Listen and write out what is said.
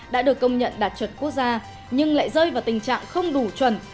đã được công nhận đạt chuẩn quốc gia nhưng lại rơi vào tình trạng không đủ chuẩn